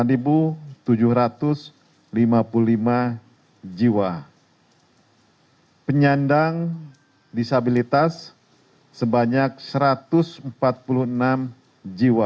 pengungsi penyandang disabilitas sebanyak satu ratus empat puluh enam jiwa